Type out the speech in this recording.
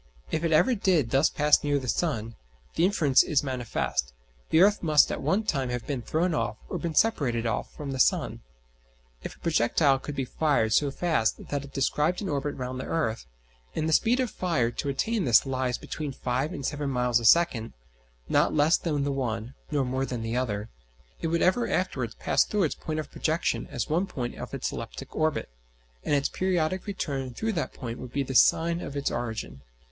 If it ever did thus pass near the sun, the inference is manifest the earth must at one time have been thrown off, or been separated off, from the sun. If a projectile could be fired so fast that it described an orbit round the earth and the speed of fire to attain this lies between five and seven miles a second (not less than the one, nor more than the other) it would ever afterwards pass through its point of projection as one point of its elliptic orbit; and its periodic return through that point would be the sign of its origin.